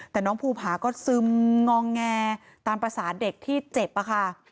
แต่น้องภูผาก็ซึมงองแงตามภาษาเด็กที่เจ็บอะค่ะ